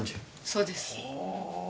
そうです。